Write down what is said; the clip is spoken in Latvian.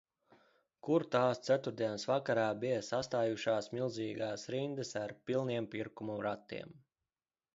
Kur tās ceturtdienas vakarā bija sastājušās milzīgas rindas ar pilniem pirkumu ratiem.